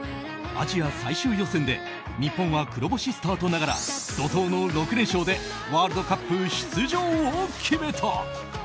アジア最終予選で日本は黒星スタートながら怒濤の６連勝でワールドカップ出場を決めた。